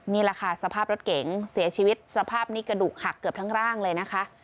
นี่แหละค่ะสภาพรถเก๋งเสียชีวิตสภาพนี้กระดูกหักเกือบทั้งร่างเลยนะคะ